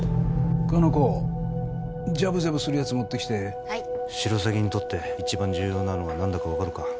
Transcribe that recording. かの子ジャブジャブするやつ持ってきてはいシロサギにとって一番重要なのは何だか分かるか？